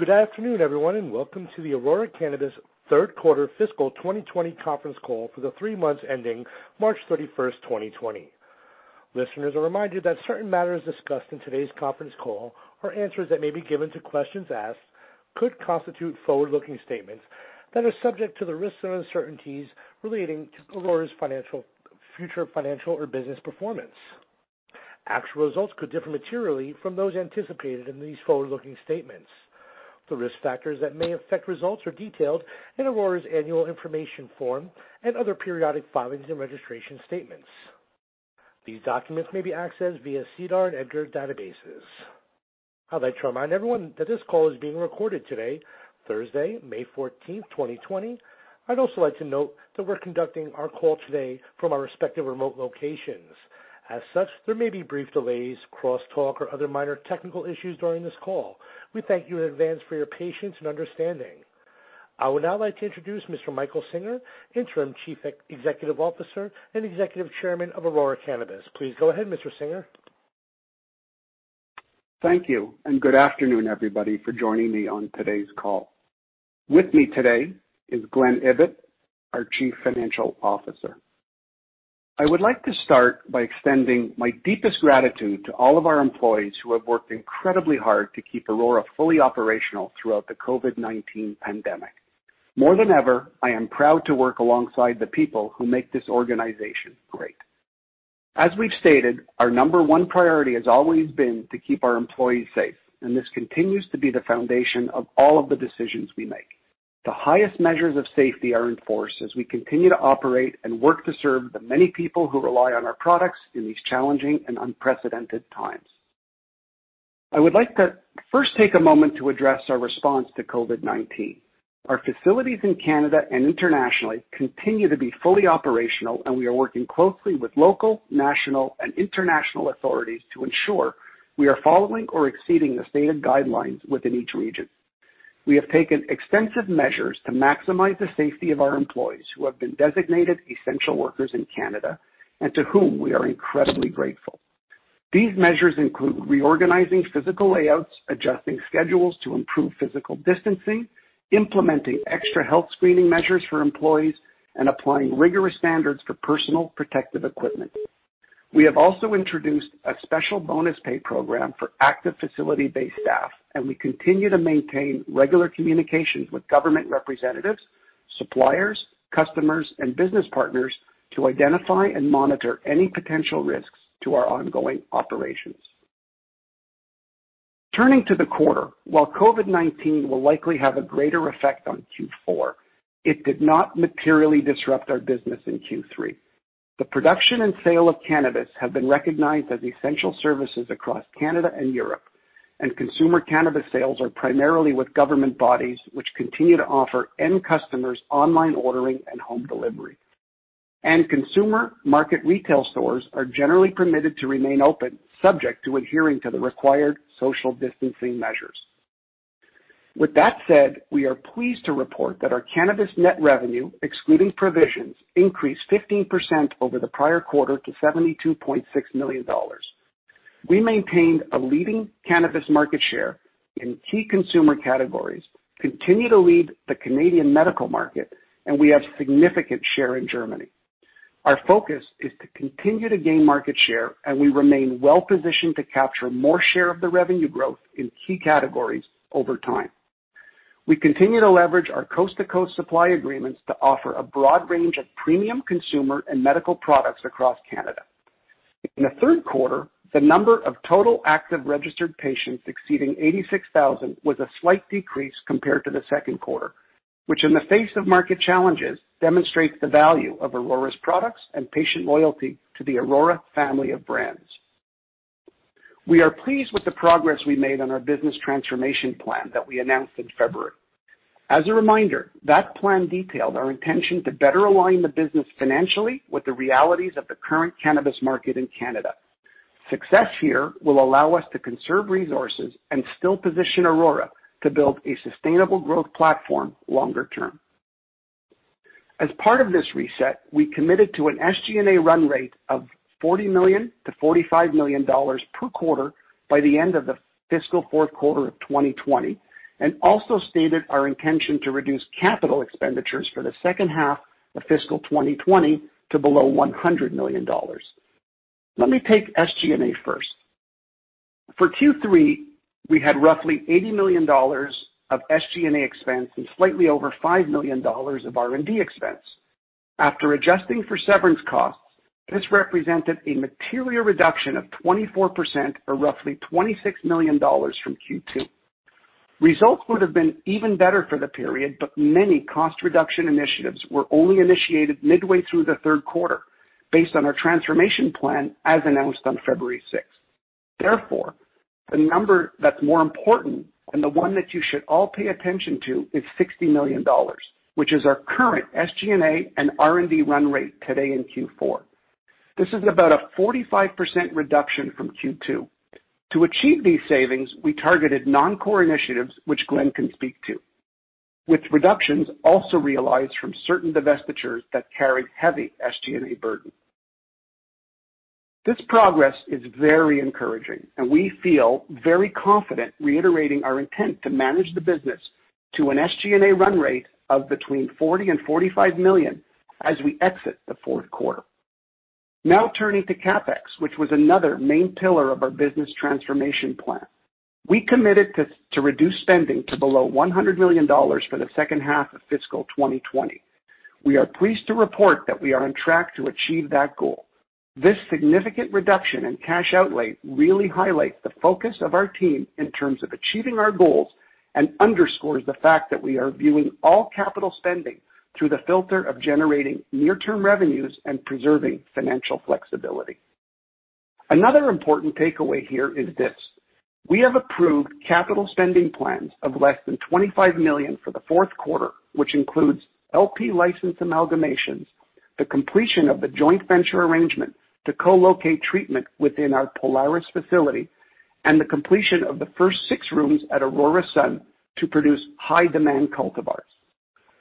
Good afternoon, everyone, and welcome to the Aurora Cannabis third quarter fiscal 2020 conference call for the three months ending March 31st, 2020. Listeners, a reminder that certain matters discussed in today's conference call or answers that may be given to questions asked could constitute forward-looking statements that are subject to the risks and uncertainties relating to Aurora's future financial or business performance. Actual results could differ materially from those anticipated in these forward-looking statements. The risk factors that may affect results are detailed in Aurora's Annual Information Form and other periodic filings and registration statements. These documents may be accessed via SEDAR and EDGAR databases. I'd like to remind everyone that this call is being recorded today, Thursday, May 14th, 2020. I'd also like to note that we're conducting our call today from our respective remote locations. As such, there may be brief delays, cross-talk, or other minor technical issues during this call. We thank you in advance for your patience and understanding. I would now like to introduce Mr. Michael Singer, Interim Chief Executive Officer and Executive Chairman of Aurora Cannabis. Please go ahead, Mr. Singer. Thank you, and good afternoon, everybody, for joining me on today's call. With me today is Glen Ibbott, our Chief Financial Officer. I would like to start by extending my deepest gratitude to all of our employees who have worked incredibly hard to keep Aurora fully operational throughout the COVID-19 pandemic. More than ever, I am proud to work alongside the people who make this organization great. As we've stated, our number one priority has always been to keep our employees safe, and this continues to be the foundation of all of the decisions we make. The highest measures of safety are enforced as we continue to operate and work to serve the many people who rely on our products in these challenging and unprecedented times. I would like to first take a moment to address our response to COVID-19. Our facilities in Canada and internationally continue to be fully operational, and we are working closely with local, national, and international authorities to ensure we are following or exceeding the stated guidelines within each region. We have taken extensive measures to maximize the safety of our employees who have been designated essential workers in Canada and to whom we are incredibly grateful. These measures include reorganizing physical layouts, adjusting schedules to improve physical distancing, implementing extra health screening measures for employees, and applying rigorous standards for personal protective equipment. We have also introduced a special bonus pay program for active facility-based staff, and we continue to maintain regular communications with government representatives, suppliers, customers, and business partners to identify and monitor any potential risks to our ongoing operations. Turning to the quarter, while COVID-19 will likely have a greater effect on Q4, it did not materially disrupt our business in Q3. The production and sale of cannabis have been recognized as essential services across Canada and Europe, and consumer cannabis sales are primarily with government bodies, which continue to offer end customers online ordering and home delivery, and consumer market retail stores are generally permitted to remain open, subject to adhering to the required social distancing measures. With that said, we are pleased to report that our cannabis net revenue, excluding provisions, increased 15% over the prior quarter to 72.6 million dollars. We maintain a leading cannabis market share in key consumer categories, continue to lead the Canadian medical market, and we have a significant share in Germany. Our focus is to continue to gain market share, and we remain well positioned to capture more share of the revenue growth in key categories over time. We continue to leverage our coast-to-coast supply agreements to offer a broad range of premium consumer and medical products across Canada. In the third quarter, the number of total active registered patients exceeding 86,000 was a slight decrease compared to the second quarter, which, in the face of market challenges, demonstrates the value of Aurora's products and patient loyalty to the Aurora family of brands. We are pleased with the progress we made on our business transformation plan that we announced in February. As a reminder, that plan detailed our intention to better align the business financially with the realities of the current cannabis market in Canada. Success here will allow us to conserve resources and still position Aurora to build a sustainable growth platform longer term. As part of this reset, we committed to an SG&A run rate of $40 million-$45 million per quarter by the end of the fiscal fourth quarter of 2020, and also stated our intention to reduce capital expenditures for the second half of fiscal 2020 to below $100 million. Let me take SG&A first. For Q3, we had roughly $80 million of SG&A expense and slightly over $5 million of R&D expense. After adjusting for severance costs, this represented a material reduction of 24%, or roughly $26 million from Q2. Results would have been even better for the period, but many cost reduction initiatives were only initiated midway through the third quarter based on our transformation plan as announced on February 6th. Therefore, the number that's more important and the one that you should all pay attention to is 60 million dollars, which is our current SG&A and R&D run rate today in Q4. This is about a 45% reduction from Q2. To achieve these savings, we targeted non-core initiatives, which Glen can speak to, with reductions also realized from certain divestitures that carried heavy SG&A burden. This progress is very encouraging, and we feel very confident reiterating our intent to manage the business to an SG&A run rate of between 40 million and 45 million as we exit the fourth quarter. Now turning to CapEx, which was another main pillar of our business transformation plan. We committed to reduce spending to below 100 million dollars for the second half of fiscal 2020. We are pleased to report that we are on track to achieve that goal. This significant reduction in cash outlay really highlights the focus of our team in terms of achieving our goals and underscores the fact that we are viewing all capital spending through the filter of generating near-term revenues and preserving financial flexibility. Another important takeaway here is this: we have approved capital spending plans of less than 25 million for the fourth quarter, which includes LP license amalgamations, the completion of the joint venture arrangement to co-locate treatment within our Polaris facility, and the completion of the first six rooms at Aurora Sun to produce high-demand cultivars.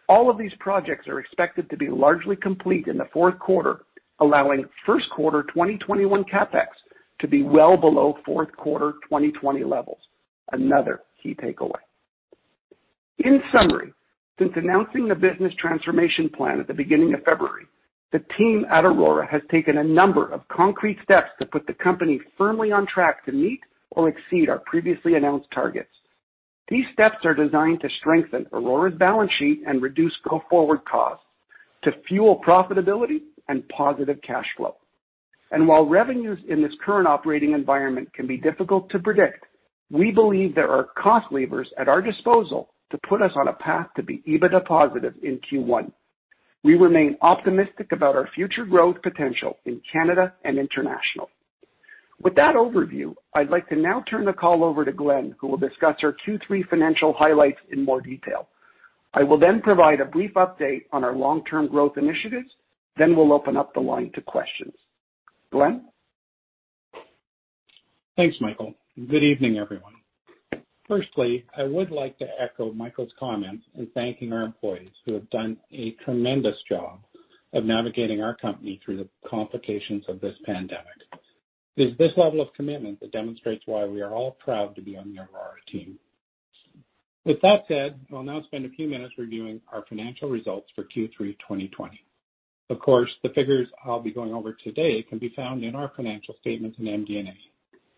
All of these projects are expected to be largely complete in the fourth quarter, allowing first quarter 2021 CapEx to be well below fourth quarter 2020 levels. Another key takeaway. In summary, since announcing the business transformation plan at the beginning of February, the team at Aurora has taken a number of concrete steps to put the company firmly on track to meet or exceed our previously announced targets. These steps are designed to strengthen Aurora's balance sheet and reduce go forward costs, to fuel profitability and positive cash flow. And while revenues in this current operating environment can be difficult to predict, we believe there are cost levers at our disposal to put us on a path to be EBITDA positive in Q1. We remain optimistic about our future growth potential in Canada and international. With that overview, I'd like to now turn the call over to Glen, who will discuss our Q3 financial highlights in more detail. I will then provide a brief update on our long-term growth initiatives, then we'll open up the line to questions. Glen? Thanks, Michael. Good evening, everyone. Firstly, I would like to echo Michael's comments in thanking our employees who have done a tremendous job of navigating our company through the complications of this pandemic. It is this level of commitment that demonstrates why we are all proud to be on the Aurora team. With that said, I'll now spend a few minutes reviewing our financial results for Q3 2020. Of course, the figures I'll be going over today can be found in our financial statements and MD&A,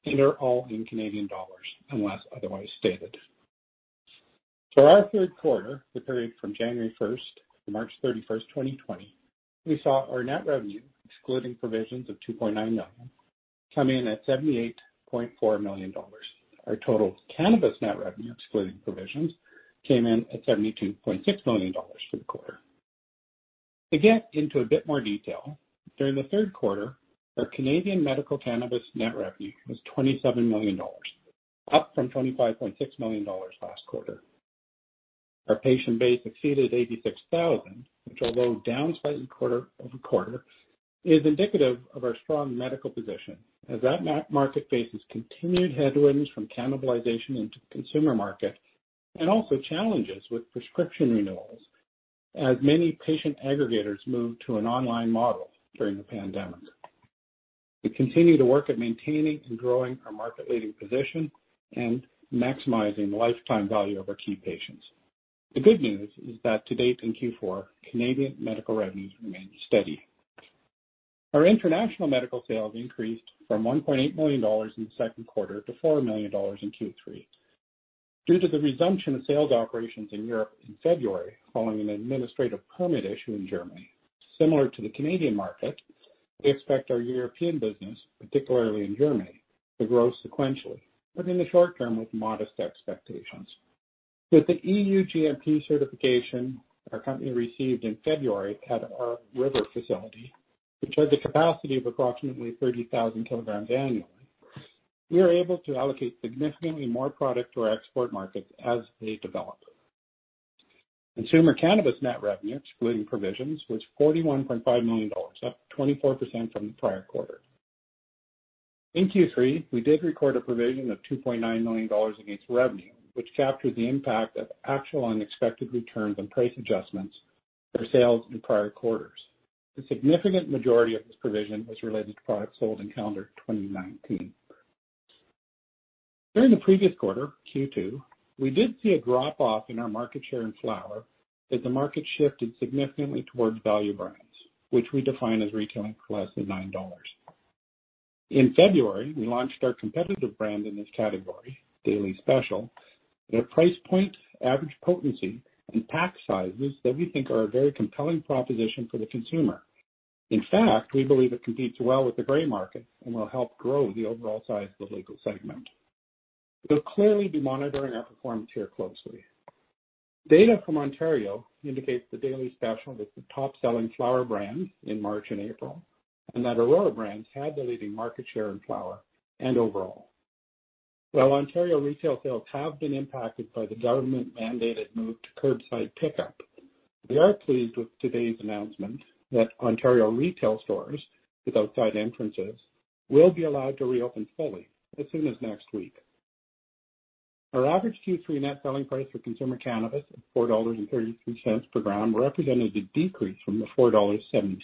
and they're all in Canadian dollars unless otherwise stated. For our third quarter, the period from January 1st to March 31st, 2020, we saw our net revenue, excluding provisions of 2.9 million, come in at 78.4 million dollars. Our total cannabis net revenue, excluding provisions, came in at 72.6 million dollars for the quarter. To get into a bit more detail, during the third quarter, our Canadian medical cannabis net revenue was $27 million, up from $25.6 million last quarter. Our patient base exceeded 86,000, which, although down slightly quarter over quarter, is indicative of our strong medical position as that market faces continued headwinds from cannibalization into the consumer market and also challenges with prescription renewals as many patient aggregators moved to an online model during the pandemic. We continue to work at maintaining and growing our market-leading position and maximizing the lifetime value of our key patients. The good news is that to date in Q4, Canadian medical revenues remain steady. Our international medical sales increased from $1.8 million in the second quarter to $4 million in Q3. Due to the resumption of sales operations in Europe in February following an administrative permit issue in Germany, similar to the Canadian market, we expect our European business, particularly in Germany, to grow sequentially, but in the short term with modest expectations. With the EU GMP certification our company received in February at our Aurora River facility, which has a capacity of approximately 30,000 kilograms annually, we are able to allocate significantly more product to our export markets as they develop. Consumer cannabis net revenue, excluding provisions, was 41.5 million dollars, up 24% from the prior quarter. In Q3, we did record a provision of 2.9 million dollars against revenue, which captured the impact of actual unexpected returns and price adjustments for sales in prior quarters. The significant majority of this provision was related to product sold in calendar 2019. During the previous quarter, Q2, we did see a drop off in our market share in flower as the market shifted significantly towards value brands, which we define as retailing for less than 9 dollars. In February, we launched our competitive brand in this category, Daily Special, at a price point, average potency, and pack sizes that we think are a very compelling proposition for the consumer. In fact, we believe it competes well with the gray market and will help grow the overall size of the legal segment. We'll clearly be monitoring our performance here closely. Data from Ontario indicates the Daily Special was the top-selling flower brand in March and April, and that Aurora brands had the leading market share in flower and overall. While Ontario retail sales have been impacted by the government-mandated move to curbside pickup, we are pleased with today's announcement that Ontario retail stores with outside entrances will be allowed to reopen fully as soon as next week. Our average Q3 net selling price for consumer cannabis at 4.33 dollars per gram represented a decrease from the 4.76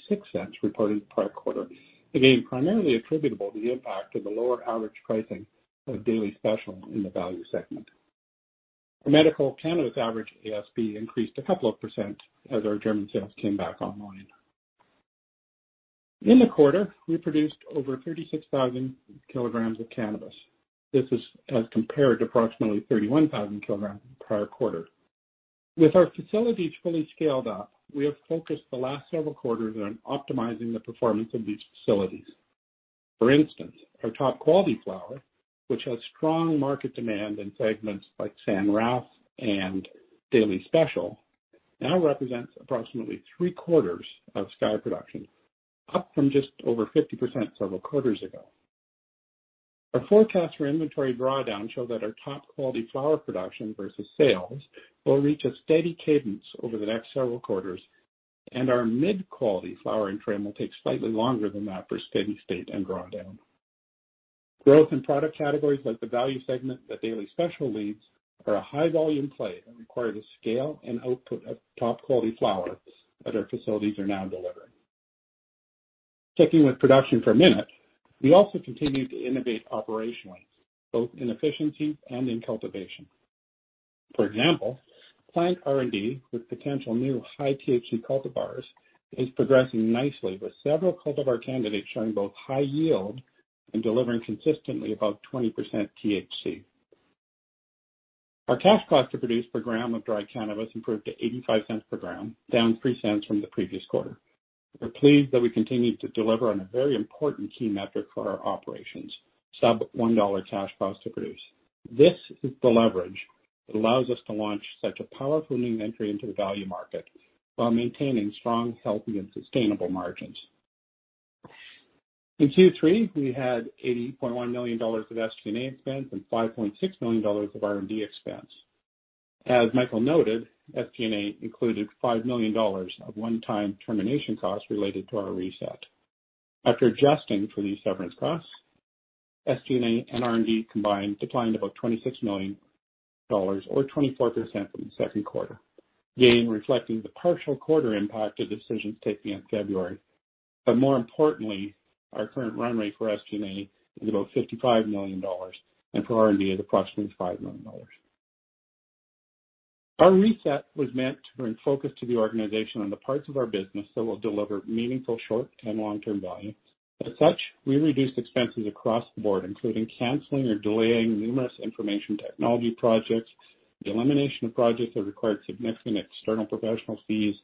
dollars reported the prior quarter, again primarily attributable to the impact of the lower average pricing of Daily Special in the value segment. Our medical cannabis average ASP increased a couple of percent as our German sales came back online. In the quarter, we produced over 36,000 kilograms of cannabis. This is as compared to approximately 31,000 kilograms in the prior quarter. With our facilities fully scaled up, we have focused the last several quarters on optimizing the performance of these facilities. For instance, our top quality flower, which has strong market demand in segments like San Raf and Daily Special, now represents approximately three-quarters of Sky production, up from just over 50% several quarters ago. Our forecast for inventory drawdown showed that our top quality flower production versus sales will reach a steady cadence over the next several quarters, and our mid-quality flower trend will take slightly longer than that for steady state and drawdown. Growth in product categories like the value segment that Daily Special leads are a high-volume play that requires a scale and output of top quality flower that our facilities are now delivering. Sticking with production for a minute, we also continue to innovate operationally, both in efficiency and in cultivation. For example, plant R&D with potential new high THC cultivars is progressing nicely, with several cultivar candidates showing both high yield and delivering consistently above 20% THC. Our cash cost to produce per gram of dry cannabis improved to 0.85 per gram, down 0.03 from the previous quarter. We're pleased that we continue to deliver on a very important key metric for our operations: sub-CAD 1 cash cost to produce. This is the leverage that allows us to launch such a powerful new entry into the value market while maintaining strong, healthy, and sustainable margins. In Q3, we had 80.1 million dollars of SG&A expense and 5.6 million dollars of R&D expense. As Michael noted, SG&A included 5 million dollars of one-time termination costs related to our reset. After adjusting for these severance costs, SG&A and R&D combined declined about 26 million dollars, or 24% from the second quarter, again reflecting the partial quarter impact of decisions taken in February. But more importantly, our current run rate for SG&A is about 55 million dollars, and for R&D, it's approximately 5 million dollars. Our reset was meant to bring focus to the organization on the parts of our business that will deliver meaningful short and long-term value. As such, we reduced expenses across the board, including canceling or delaying numerous information technology projects, the elimination of projects that required significant external professional fees,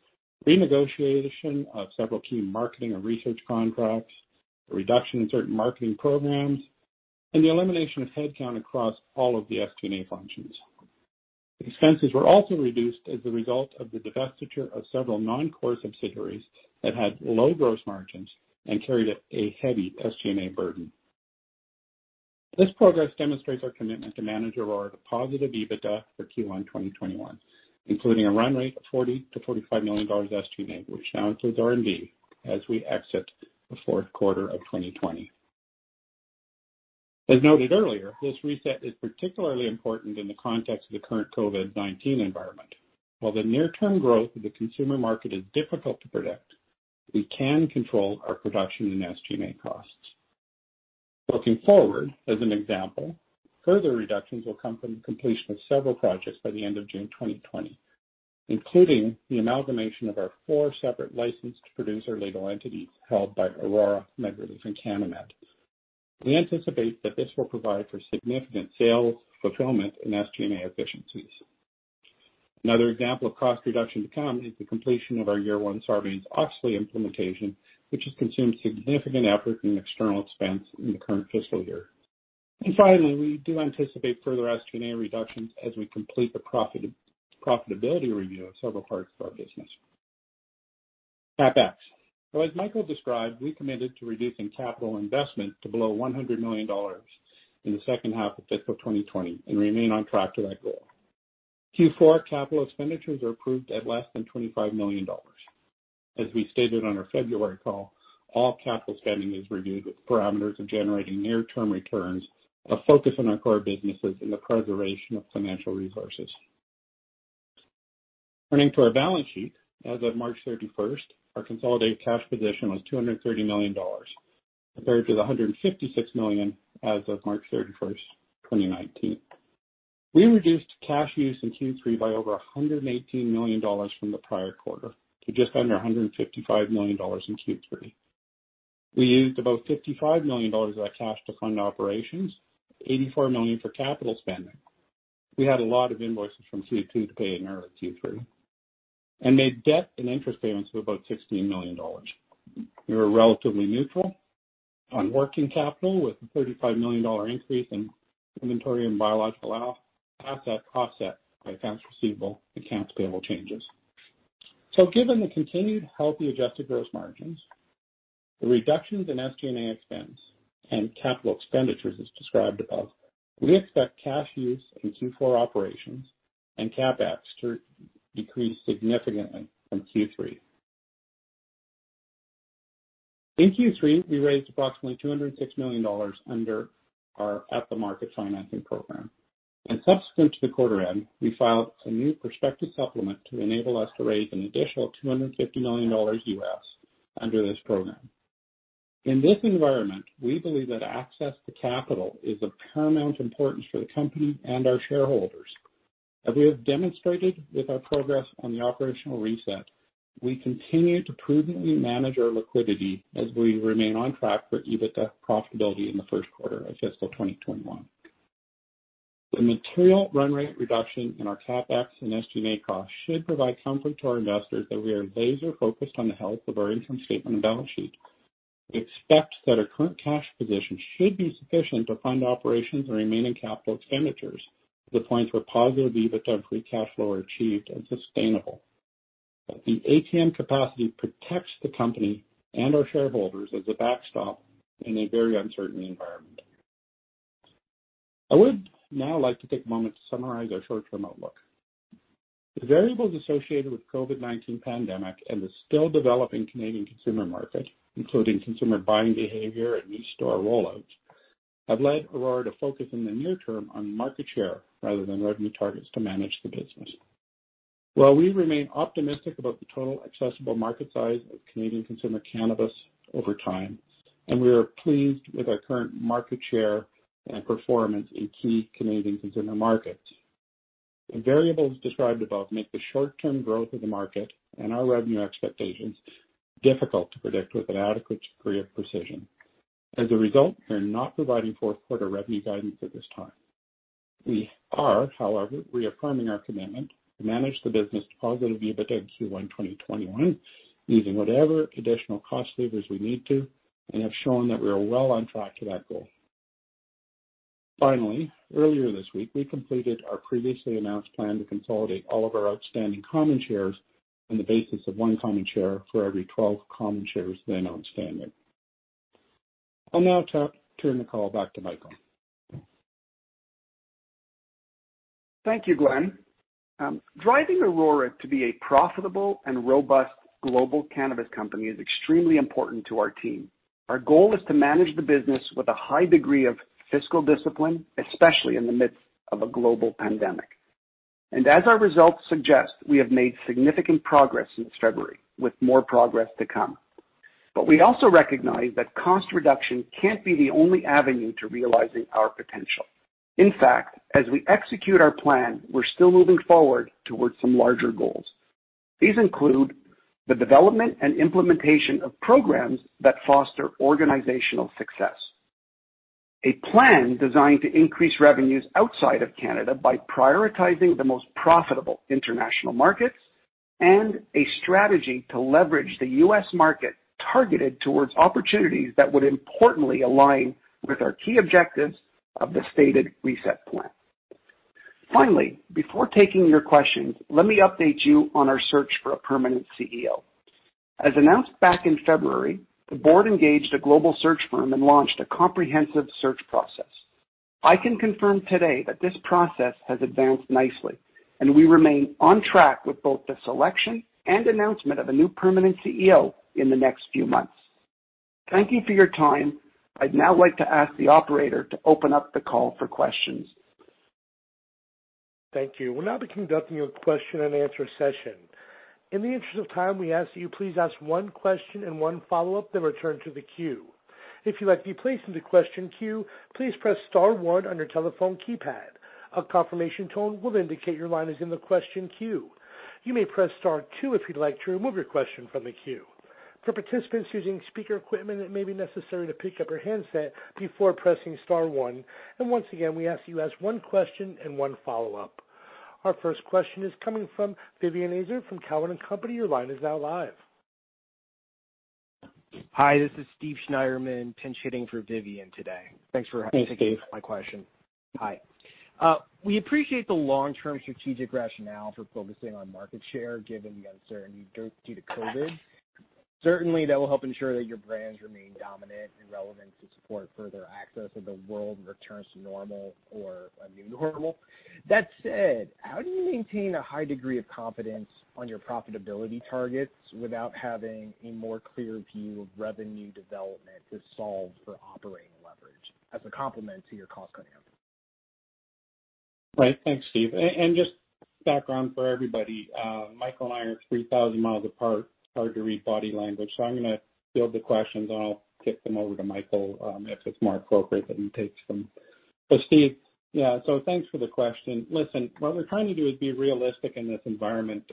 renegotiation of several key marketing and research contracts, a reduction in certain marketing programs, and the elimination of headcount across all of the SG&A functions. Expenses were also reduced as a result of the divestiture of several non-core subsidiaries that had low gross margins and carried a heavy SG&A burden. This progress demonstrates our commitment to manage Aurora to positive EBITDA for Q1 2021, including a run rate of 40 million-45 million dollars SG&A, which now includes R&D as we exit the fourth quarter of 2020. As noted earlier, this reset is particularly important in the context of the current COVID-19 environment. While the near-term growth of the consumer market is difficult to predict, we can control our production and SG&A costs. Looking forward, as an example, further reductions will come from the completion of several projects by the end of June 2020, including the amalgamation of our four separate licensed producer legal entities held by Aurora, MedReleaf, and CanniMed. We anticipate that this will provide for significant sales fulfillment and SG&A efficiencies. Another example of cost reduction to come is the completion of our year-one Sarbanes-Oxley implementation, which has consumed significant effort and external expense in the current fiscal year. And finally, we do anticipate further SG&A reductions as we complete the profitability review of several parts of our business. CapEx. As Michael described, we committed to reducing capital investment to below 100 million dollars in the second half of fiscal 2020 and remain on track to that goal. Q4 capital expenditures are approved at less than 25 million dollars. As we stated on our February call, all capital spending is reviewed with parameters of generating near-term returns, a focus on our core businesses, and the preservation of financial resources. Turning to our balance sheet, as of March 31st, our consolidated cash position was 230 million dollars, compared to the 156 million as of March 31st, 2019. We reduced cash use in Q3 by over 118 million dollars from the prior quarter to just under 155 million dollars in Q3. We used about 55 million dollars of that cash to fund operations, 84 million for capital spending. We had a lot of invoices from Q2 to pay in early Q3 and made debt and interest payments of about 16 million dollars. We were relatively neutral on working capital with a 35 million dollar increase in inventory and biological asset offset by tax receivable and tax payable changes. So given the continued healthy adjusted gross margins, the reductions in SG&A expense, and capital expenditures as described above, we expect cash use in Q4 operations and CapEx to decrease significantly from Q3. In Q3, we raised approximately 206 million dollars under our at-the-market financing program. Subsequent to the quarter end, we filed a new prospectus supplement to enable us to raise an additional $250 million USD under this program. In this environment, we believe that access to capital is of paramount importance for the company and our shareholders. As we have demonstrated with our progress on the operational reset, we continue to prudently manage our liquidity as we remain on track for EBITDA profitability in the first quarter of fiscal 2021. The material run rate reduction in our CapEx and SG&A costs should provide comfort to our investors that we are laser-focused on the health of our income statement and balance sheet. We expect that our current cash position should be sufficient to fund operations and remaining capital expenditures to the points where positive EBITDA and free cash flow are achieved and sustainable. The ATM capacity protects the company and our shareholders as a backstop in a very uncertain environment. I would now like to take a moment to summarize our short-term outlook. The variables associated with the COVID-19 pandemic and the still developing Canadian consumer market, including consumer buying behavior and new store rollouts, have led Aurora to focus in the near term on market share rather than revenue targets to manage the business. While we remain optimistic about the total accessible market size of Canadian consumer cannabis over time, and we are pleased with our current market share and performance in key Canadian consumer markets, the variables described above make the short-term growth of the market and our revenue expectations difficult to predict with an adequate degree of precision. As a result, we are not providing fourth-quarter revenue guidance at this time. We are, however, reaffirming our commitment to manage the business to positive EBITDA in Q1 2021, using whatever additional cost levers we need to, and have shown that we are well on track to that goal. Finally, earlier this week, we completed our previously announced plan to consolidate all of our outstanding common shares on the basis of one common share for every 12 common shares then outstanding. I'll now turn the call back to Michael. Thank you, Glen. Driving Aurora to be a profitable and robust global cannabis company is extremely important to our team. Our goal is to manage the business with a high degree of fiscal discipline, especially in the midst of a global pandemic, and as our results suggest, we have made significant progress since February, with more progress to come. But we also recognize that cost reduction can't be the only avenue to realizing our potential. In fact, as we execute our plan, we're still moving forward towards some larger goals. These include the development and implementation of programs that foster organizational success, a plan designed to increase revenues outside of Canada by prioritizing the most profitable international markets, and a strategy to leverage the US market targeted towards opportunities that would importantly align with our key objectives of the stated reset plan. Finally, before taking your questions, let me update you on our search for a permanent CEO. As announced back in February, the board engaged a global search firm and launched a comprehensive search process. I can confirm today that this process has advanced nicely, and we remain on track with both the selection and announcement of a new permanent CEO in the next few months. Thank you for your time. I'd now like to ask the operator to open up the call for questions. Thank you. We'll now be conducting a question-and-answer session. In the interest of time, we ask that you please ask one question and one follow-up then return to the queue. If you'd like to be placed in the question queue, please press Star 1 on your telephone keypad. A confirmation tone will indicate your line is in the question queue. You may press Star 2 if you'd like to remove your question from the queue. For participants using speaker equipment, it may be necessary to pick up your handset before pressing star one. And once again, we ask that you ask one question and one follow-up. Our first question is coming from Vivien Azer from Cowen and Company. Your line is now live. Hi, this is Steve Schnierman, pinch hitting for Vivian today. Thanks for taking my question. Hi. We appreciate the long-term strategic rationale for focusing on market share given the uncertainty due to COVID. Certainly, that will help ensure that your brands remain dominant and relevant to support further access of the world when it returns to normal or a new normal. That said, how do you maintain a high degree of confidence on your profitability targets without having a more clear view of revenue development to solve for operating leverage as a complement to your cost cutting efforts? Right. Thanks, Steve. And just background for everybody. Michael and I are 3,000 miles apart. It's hard to read body language. So I'm going to field the questions, and I'll kick them over to Michael if it's more appropriate than it takes from. But Steve, yeah, so thanks for the question. Listen, what we're trying to do is be realistic in this environment.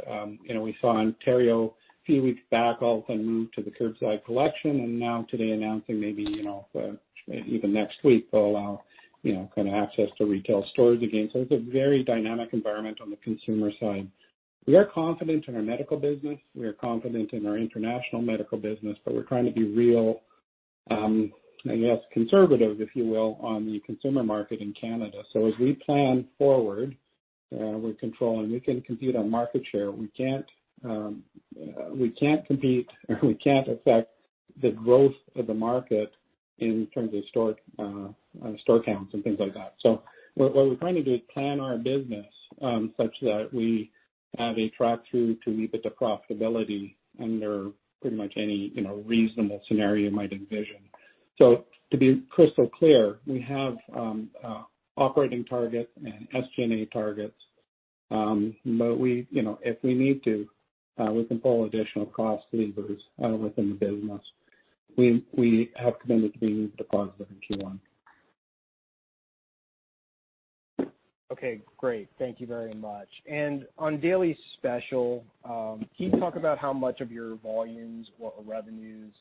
We saw Ontario a few weeks back all of a sudden move to the curbside collection, and now today announcing maybe even next week they'll allow kind of access to retail stores again. So it's a very dynamic environment on the consumer side. We are confident in our medical business. We are confident in our international medical business, but we're trying to be real, I guess, conservative, if you will, on the consumer market in Canada. So as we plan forward, we're controlling. We can compete on market share. We can't compete or we can't affect the growth of the market in terms of store counts and things like that. So, what we're trying to do is plan our business such that we have a track through to EBITDA profitability under pretty much any reasonable scenario you might envision. So, to be crystal clear, we have operating targets and SG&A targets, but if we need to, we can pull additional cost levers within the business. We have committed to being EBITDA positive in Q1. Okay. Great. Thank you very much. And on Daily Special, can you talk about how much of your volumes or revenues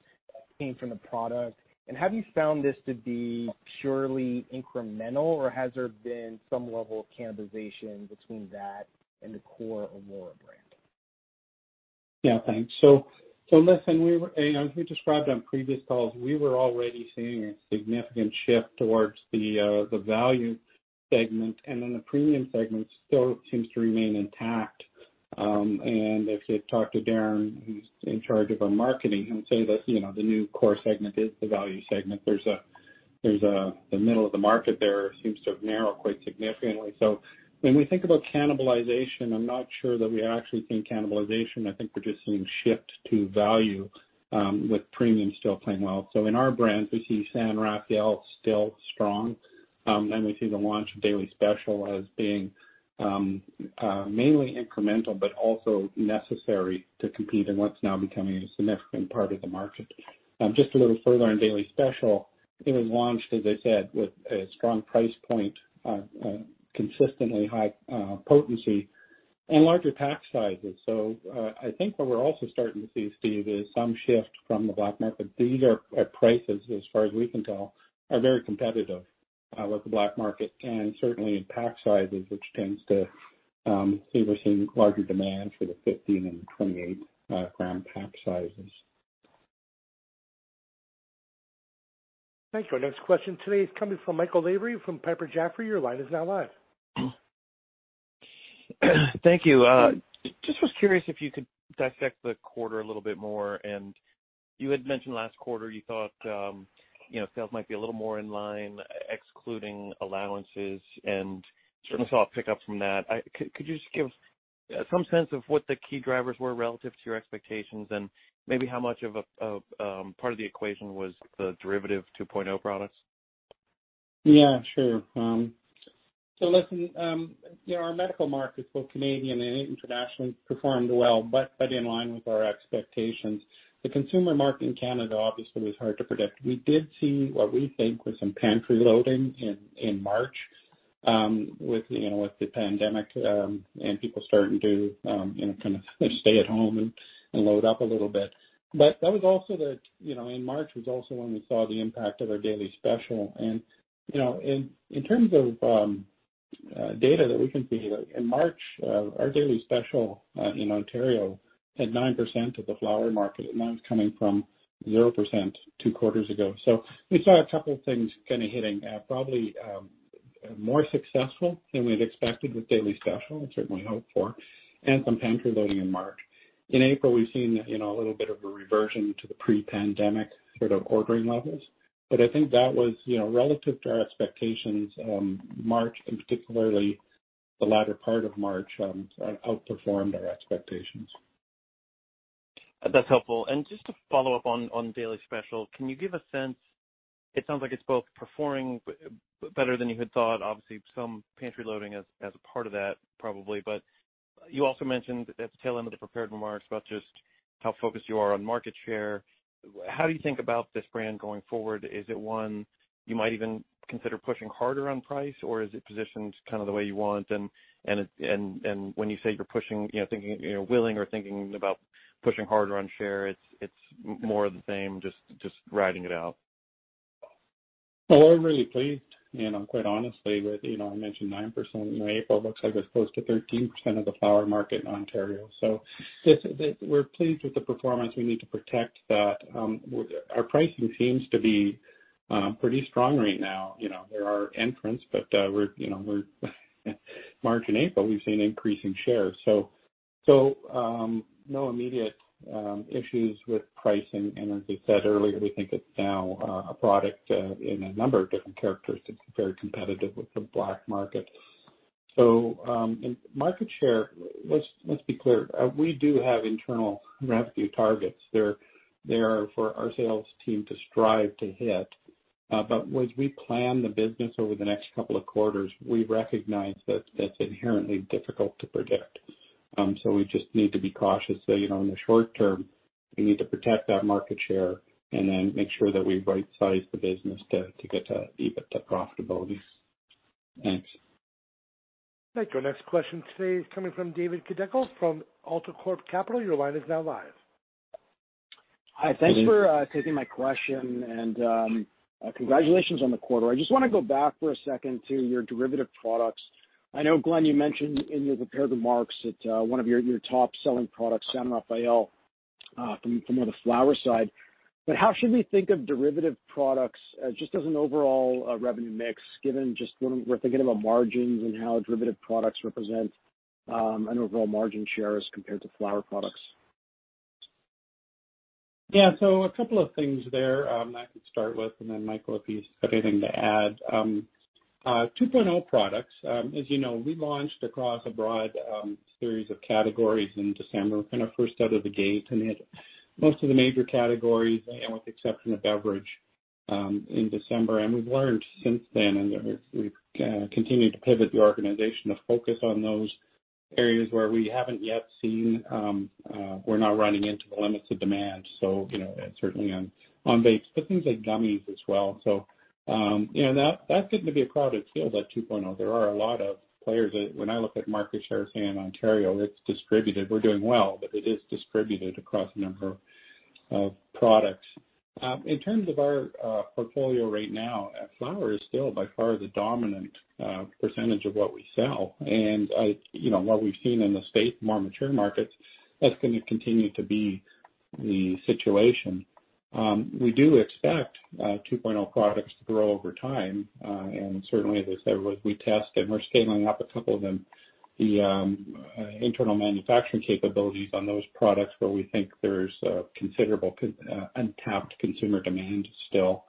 came from the product? And have you found this to be purely incremental, or has there been some level of cannibalization between that and the core Aurora brand? Yeah. Thanks. So listen, as we described on previous calls, we were already seeing a significant shift towards the value segment, and then the premium segment still seems to remain intact. And if you talk to Darren, who's in charge of our marketing, he'll say that the new core segment is the value segment. There's the middle of the market. It seems to have narrowed quite significantly. So when we think about cannibalization, I'm not sure that we actually think cannibalization. I think we're just seeing a shift to value with premium still playing well. So in our brands, we see San Rafael still strong, and we see the launch of Daily Special as being mainly incremental but also necessary to compete in what's now becoming a significant part of the market. Just a little further on Daily Special, it was launched, as I said, with a strong price point, consistently high potency, and larger pack sizes. So I think what we're also starting to see, Steve, is some shift from the black market. These prices, as far as we can tell, are very competitive with the black market, and certainly in pack sizes, which tends to see we're seeing larger demand for the 15- and 28-gram pack sizes. Thank you. Our next question today is coming from Michael Lavery from Piper Sandler. Your line is now live. Thank you. Just was curious if you could dissect the quarter a little bit more. And you had mentioned last quarter you thought sales might be a little more in line, excluding allowances, and certainly saw a pickup from that. Could you just give some sense of what the key drivers were relative to your expectations and maybe how much of a part of the equation was the derivative 2.0 products? Yeah. Sure. So listen, our medical market, both Canadian and international, performed well, but in line with our expectations. The consumer market in Canada obviously was hard to predict. We did see what we think was some pantry loading in March with the pandemic and people starting to kind of stay at home and load up a little bit. But that was also then in March was also when we saw the impact of our Daily Special. And in terms of data that we can see, in March, our Daily Special in Ontario had 9% of the flower market, and that was coming from 0% two quarters ago. So we saw a couple of things kind of hitting, probably more successful than we had expected with Daily Special, and certainly hoped for, and some pantry loading in March. In April, we've seen a little bit of a reversion to the pre-pandemic sort of ordering levels. But I think that was relative to our expectations. March, and particularly the latter part of March, outperformed our expectations. That's helpful. And just to follow up on Daily Special, can you give a sense? It sounds like it's both performing better than you had thought. Obviously, some pantry loading as a part of that probably. But you also mentioned at the tail end of the prepared remarks about just how focused you are on market share. How do you think about this brand going forward? Is it one you might even consider pushing harder on price, or is it positioned kind of the way you want? And when you say you're pushing, thinking willing or thinking about pushing harder on share, it's more of the same, just riding it out, well, we're really pleased, and I'll quite honestly, with. I mentioned 9% in April, it looks like it's close to 13% of the flower market in Ontario. So we're pleased with the performance. We need to protect that. Our pricing seems to be pretty strong right now. There are entrants, but in March and April, we've seen increasing shares. So no immediate issues with pricing. And as I said earlier, we think it's now a product in a number of different characteristics, very competitive with the black market. So market share, let's be clear. We do have internal revenue targets there for our sales team to strive to hit. But as we plan the business over the next couple of quarters, we recognize that that's inherently difficult to predict. So we just need to be cautious. So in the short term, we need to protect that market share and then make sure that we right-size the business to get to EBITDA profitability. Thanks. Thank you. Our next question today is coming from David Kideckel from AltaCorp Capital.Your line is now live. Hi. Thanks for taking my question, and congratulations on the quarter. I just want to go back for a second to your derivative products. I know, Glen, you mentioned in your prepared remarks that one of your top selling products, San Rafael, from the flower side. But how should we think of derivative products just as an overall revenue mix, given just we're thinking about margins and how derivative products represent an overall margin share as compared to flower products? Yeah. So a couple of things there that I can start with, and then Michael, if he's got anything to add. 2.0 products, as you know, we launched across a broad series of categories in December, kind of first out of the gate, and hit most of the major categories with the exception of beverage in December. And we've learned since then, and we've continued to pivot the organization to focus on those areas where we haven't yet seen we're not running into the limits of demand. So certainly on vapes, but things like gummies as well. So that's getting to be a crowded field, that 2.0. There are a lot of players. When I look at market share, say in Ontario, it's distributed. We're doing well, but it is distributed across a number of products. In terms of our portfolio right now, flower is still by far the dominant percentage of what we sell. And what we've seen in the state, more mature markets, that's going to continue to be the situation. We do expect 2.0 products to grow over time. Certainly, as I said, we test and we're scaling up a couple of them, the internal manufacturing capabilities on those products where we think there's considerable untapped consumer demand still.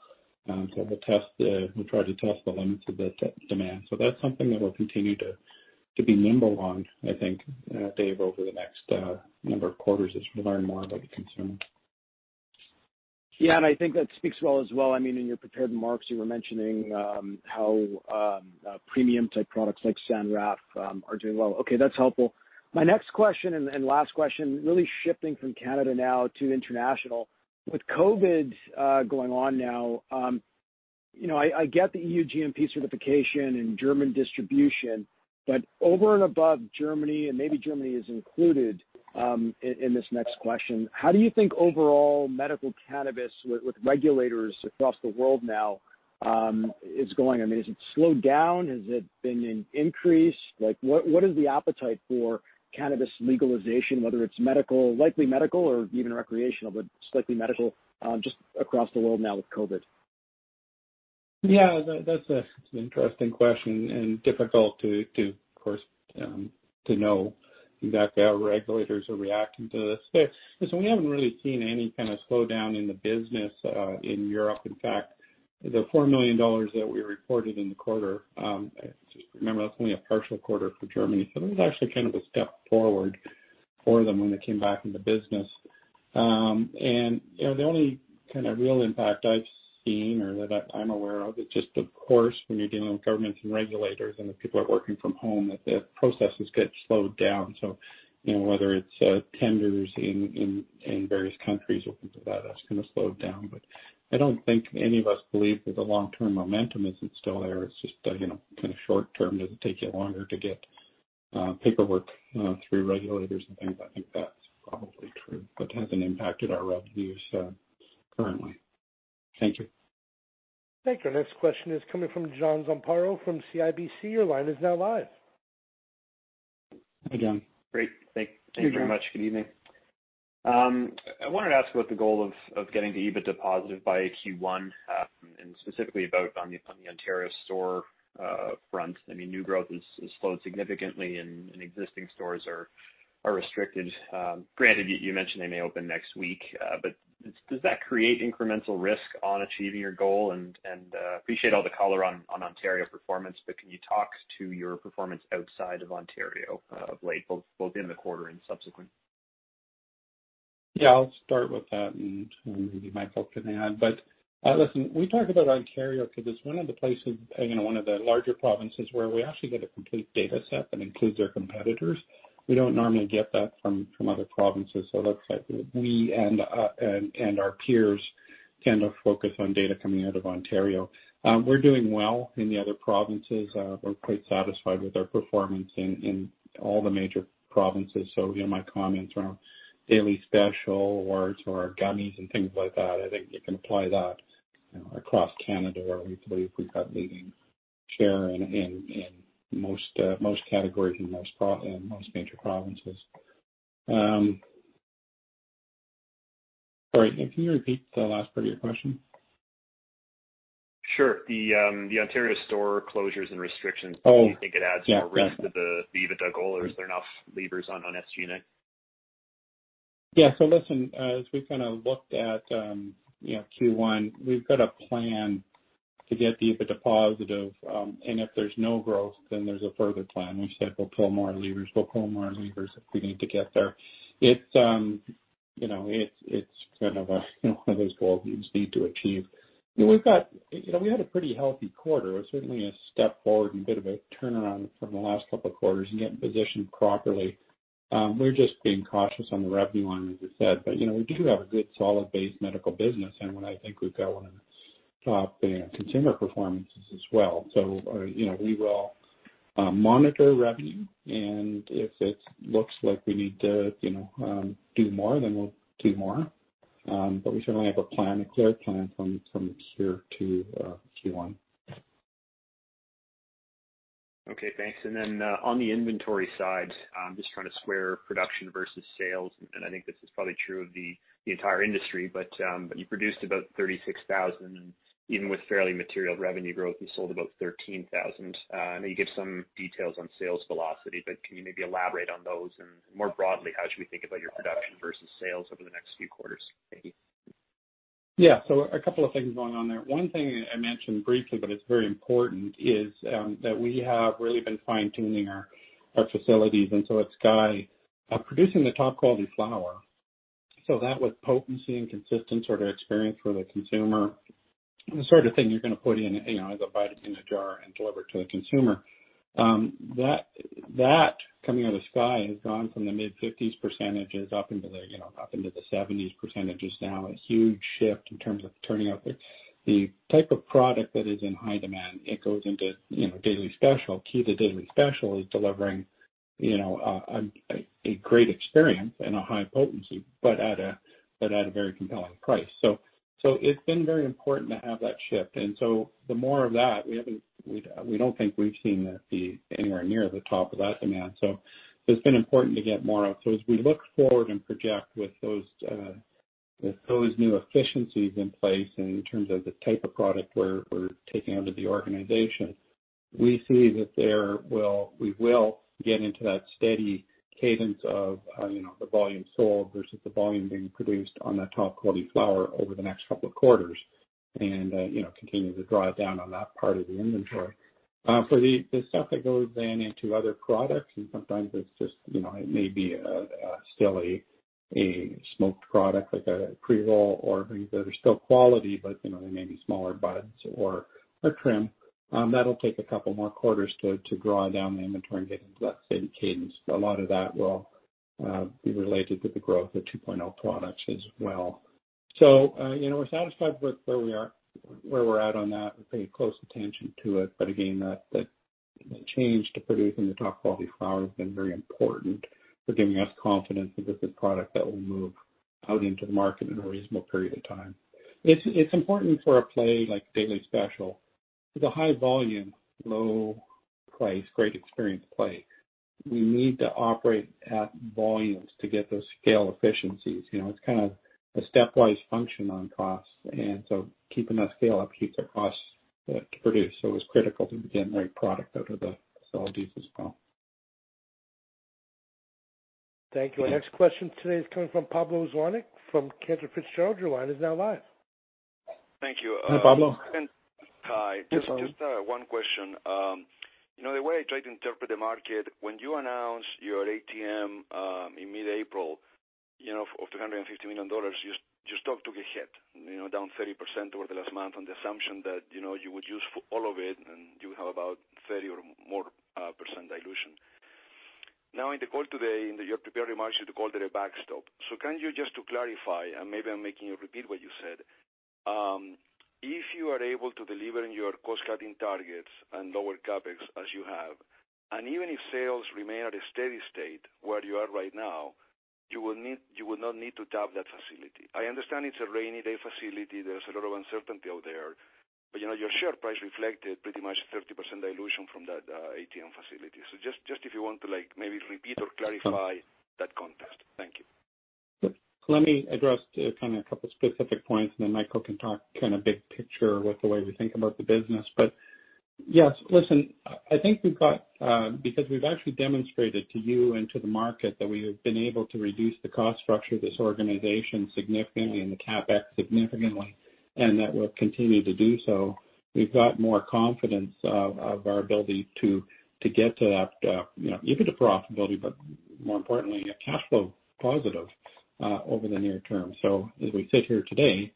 We'll try to test the limits of the demand. That's something that we'll continue to be nimble on, I think, Dave, over the next number of quarters as we learn more about the consumer. Yeah. I think that speaks well as well. I mean, in your prepared remarks, you were mentioning how premium-type products like San Raf are doing well. Okay. That's helpful. My next question and last question, really shifting from Canada now to international. With COVID going on now, I get the EU GMP certification and German distribution, but over and above Germany, and maybe Germany is included in this next question, how do you think overall medical cannabis with regulators across the world now is going? I mean, has it slowed down? Has it been an increase? What is the appetite for cannabis legalization, whether it's likely medical or even recreational, but slightly medical, just across the world now with COVID? Yeah. That's an interesting question and difficult to, of course, know exactly how regulators are reacting to this. So we haven't really seen any kind of slowdown in the business in Europe. In fact, the 4 million dollars that we reported in the quarter, just remember, that's only a partial quarter for Germany. So that was actually kind of a step forward for them when they came back into business. The only kind of real impact I've seen or that I'm aware of is just, of course, when you're dealing with governments and regulators and the people that are working from home, that the processes get slowed down. So whether it's tenders in various countries or things like that, that's kind of slowed down. But I don't think any of us believe that the long-term momentum isn't still there. It's just kind of short-term. Does it take you longer to get paperwork through regulators and things? I think that's probably true, but it hasn't impacted our revenues currently. Thank you. Thank you. Our next question is coming from John Zamparo from CIBC. Your line is now live. Hi, John. Great. Thanks very much. Good evening. I wanted to ask about the goal of getting to EBITDA positive by Q1, and specifically about on the Ontario store front. I mean, new growth has slowed significantly, and existing stores are restricted. Granted, you mentioned they may open next week, but does that create incremental risk on achieving your goal? And I appreciate all the color on Ontario performance, but can you talk to your performance outside of Ontario of late, both in the quarter and subsequent? Yeah. I'll start with that, and maybe Michael can add. But listen, we talk about Ontario because it's one of the places, one of the larger provinces where we actually get a complete data set that includes our competitors. We don't normally get that from other provinces. So let's say we and our peers tend to focus on data coming out of Ontario. We're doing well in the other provinces. We're quite satisfied with our performance in all the major provinces. So, my comments around Daily Special or gummies and things like that, I think you can apply that across Canada where we believe we've got leading share in most categories and most major provinces. Sorry. Can you repeat the last part of your question? Sure. The Ontario store closures and restrictions, do you think it adds more risk to the EBITDA goal, or is there enough levers on SG&A? Yeah. So listen, as we kind of looked at Q1, we've got a plan to get the EBITDA positive. And if there's no growth, then there's a further plan. We said we'll pull more levers. We'll pull more levers if we need to get there. It's kind of one of those goals we just need to achieve. We had a pretty healthy quarter. It was certainly a step forward and a bit of a turnaround from the last couple of quarters and getting positioned properly. We're just being cautious on the revenue line, as I said. But we do have a good solid base medical business, and I think we've got one of the top consumer performances as well. So we will monitor revenue, and if it looks like we need to do more, then we'll do more. But we certainly have a clear plan from here to Q1. Okay. Thanks. And then on the inventory side, just trying to square production versus sales, and I think this is probably true of the entire industry, but you produced about 36,000. And even with fairly material revenue growth, you sold about 13,000. I know you gave some details on sales velocity, but can you maybe elaborate on those? And more broadly, how should we think about your production versus sales over the next few quarters? Thank you. Yeah. So a couple of things going on there. One thing I mentioned briefly, but it's very important, is that we have really been fine-tuning our facilities. And so at Sky, producing the top quality flower, so that was potency and consistent sort of experience for the consumer, the sort of thing you're going to put in as a vitamin in a jar and deliver to the consumer. That coming out of Sky has gone from the mid-50s% up into the 70s% now, a huge shift in terms of turning out the type of product that is in high demand. It goes into Daily Special. Key to Daily Special is delivering a great experience and a high potency, but at a very compelling price. It's been very important to have that shift. The more of that, we don't think we've seen that be anywhere near the top of that demand. It's been important to get more of. As we look forward and project with those new efficiencies in place and in terms of the type of product we're taking out of the organization, we see that we will get into that steady cadence of the volume sold versus the volume being produced on that top quality flower over the next couple of quarters and continue to draw down on that part of the inventory. For the stuff that goes then into other products, and sometimes it may be still a smoked product like a pre-roll or things that are still quality, but they may be smaller buds or trim, that'll take a couple more quarters to draw down the inventory and get into that same cadence. A lot of that will be related to the growth of 2.0 products as well. So we're satisfied with where we're at on that. We're paying close attention to it. But again, the change to producing the top quality flower has been very important. It's giving us confidence that this is product that will move out into the market in a reasonable period of time. It's important for a play like Daily Special. It's a high volume, low price, great experience play. We need to operate at volumes to get those scale efficiencies. It's kind of a stepwise function on costs. And so keeping that scale up keeps our costs to produce. So it's critical to get great product out of the facilities as well. Thank you. Our next question today is coming from Pablo Zuanic from Cantor Fitzgerald. Your line is now live. Thank you. Hi, Pablo. Hi. Just one question. The way I try to interpret the market, when you announce your ATM in mid-April of 250 million dollars, your stock took a hit, down 30% over the last month on the assumption that you would use all of it and you would have about 30% or more dilution. Now, in the call today, in your prepared remarks, you called it a backstop. So can you, just to clarify, and maybe I'm making you repeat what you said, if you are able to deliver in your cost-cutting targets and lower CapEx as you have, and even if sales remain at a steady state where you are right now, you will not need to tap that facility? I understand it's a rainy-day facility. There's a lot of uncertainty out there, but your share price reflected pretty much 30% dilution from that ATM facility. So just if you want to maybe repeat or clarify that context. Thank you. Let me address kind of a couple of specific points, and then Michael can talk kind of big picture with the way we think about the business. But yes, listen. I think we've got, because we've actually demonstrated to you and to the market that we have been able to reduce the cost structure of this organization significantly and the CapEx significantly, and that we'll continue to do so. We've got more confidence in our ability to get to that, even to profitability, but more importantly, a cash flow positive over the near term. So as we sit here today,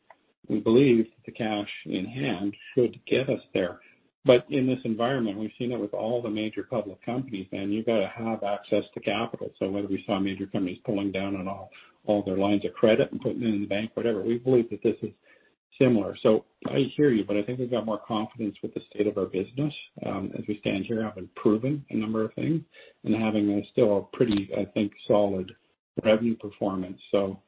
we believe that the cash in hand should get us there. But in this environment, we've seen it with all the major public companies, and you've got to have access to capital. So whether we saw major companies pulling down on all their lines of credit and putting it in the bank, whatever, we believe that this is similar. So I hear you, but I think we've got more confidence with the state of our business. As we stand here, having proven a number of things and having still a pretty, I think, solid revenue performance. So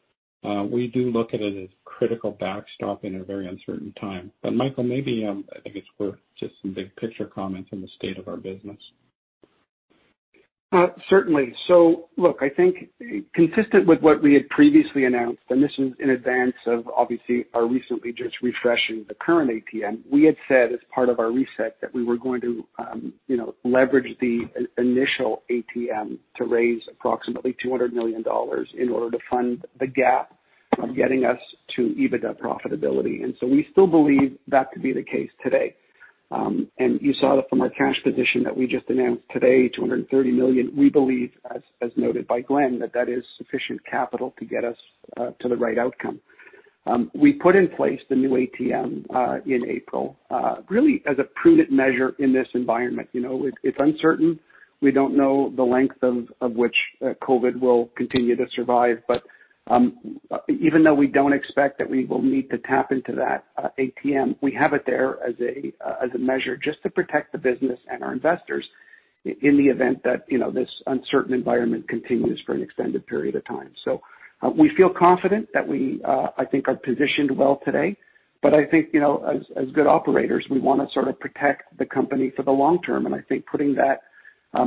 we do look at it as critical backstop in a very uncertain time. But Michael, maybe I think it's worth just some big picture comments on the state of our business. Certainly. So look, I think consistent with what we had previously announced, and this is in advance of obviously our recently just refreshing the current ATM, we had said as part of our reset that we were going to leverage the initial ATM to raise approximately 200 million dollars in order to fund the gap of getting us to EBITDA profitability. And so we still believe that to be the case today. And you saw that from our cash position that we just announced today, 230 million, we believe, as noted by Glen, that that is sufficient capital to get us to the right outcome. We put in place the new ATM in April, really as a prudent measure in this environment. It's uncertain. We don't know the length of which COVID will continue to survive. But even though we don't expect that we will need to tap into that ATM, we have it there as a measure just to protect the business and our investors in the event that this uncertain environment continues for an extended period of time. So we feel confident that we I think are positioned well today. But I think as good operators, we want to sort of protect the company for the long term. And I think putting that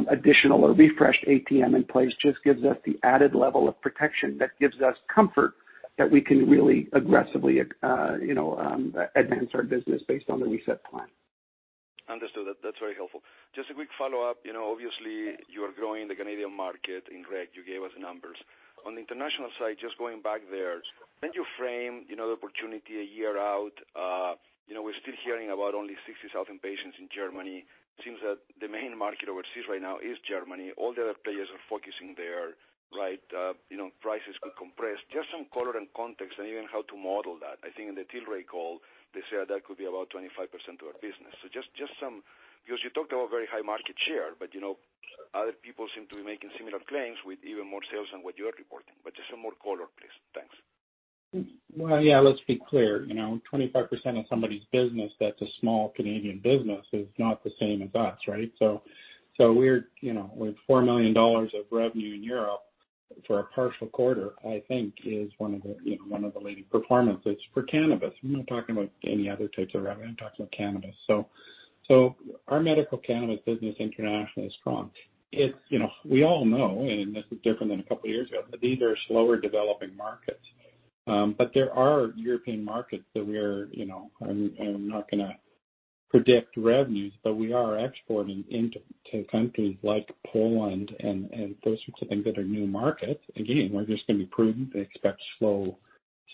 additional or refreshed ATM in place just gives us the added level of protection that gives us comfort that we can really aggressively advance our business based on the reset plan. Understood. That's very helpful. Just a quick follow-up. Obviously, you are growing the Canadian rec market. You gave us numbers. On the international side, just going back there, can you frame the opportunity a year out? We're still hearing about only 60,000 patients in Germany. It seems that the main market overseas right now is Germany. All the other players are focusing there, right? Prices could compress. Just some color and context and even how to model that. I think in the Tilray call, they said that could be about 25% of our business. So just some because you talked about very high market share, but other people seem to be making similar claims with even more sales than what you are reporting. But just some more color, please. Thanks. Well, yeah, let's be clear. 25% of somebody's business, that's a small Canadian business, is not the same as us, right? So we're 4 million dollars of revenue in Europe for a partial quarter, I think, is one of the leading performances for cannabis. We're not talking about any other types of revenue. I'm talking about cannabis. So our medical cannabis business internationally is strong. We all know, and this is different than a couple of years ago, that these are slower developing markets. But there are European markets that we're. I'm not going to predict revenues, but we are exporting into countries like Poland and those sorts of things that are new markets. Again, we're just going to be prudent to expect slow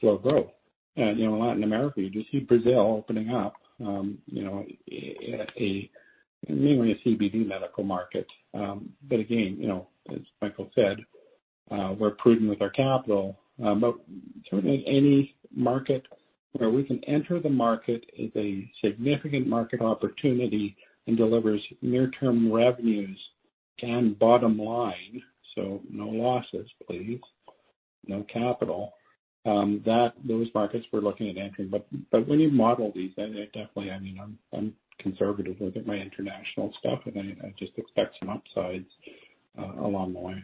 growth. And in Latin America, you just see Brazil opening up, mainly a CBD medical market. But again, as Michael said, we're prudent with our capital. But certainly, any market where we can enter the market is a significant market opportunity and delivers near-term revenues and bottom line. So no losses, please. No capital. Those markets we're looking at entering. But when you model these, definitely, I mean, I'm conservative with my international stuff, and I just expect some upsides along the way.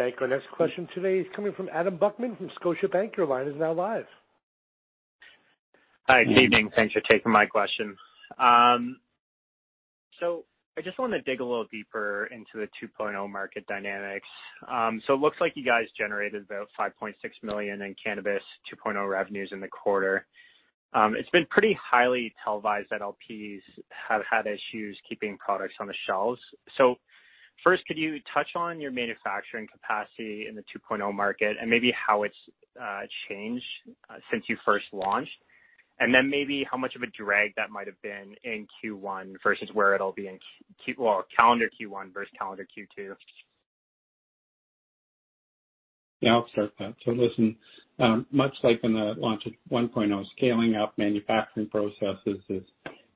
Thank you. Thank you. Our next question today is coming from Adam Buckham from Scotiabank. Your line is now live. Hi. Good evening. Thanks for taking my question. So I just want to dig a little deeper into the 2.0 market dynamics. So it looks like you guys generated about 5.6 million in Cannabis 2.0 revenues in the quarter. It's been pretty highly televised that LPs have had issues keeping products on the shelves. So first, could you touch on your manufacturing capacity in the Cannabis 2.0 market and maybe how it's changed since you first launched? And then maybe how much of a drag that might have been in Q1 versus where it'll be in, well, calendar Q1 versus calendar Q2. Yeah, I'll start that. So listen, much like in the launch of 1.0, scaling up manufacturing processes